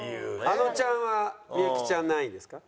あのちゃんは幸ちゃん何位ですか？